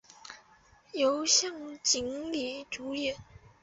由向井理主演。